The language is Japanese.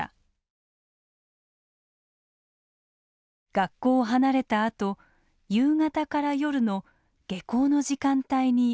学校を離れたあと夕方から夜の下校の時間帯に最も集中しています。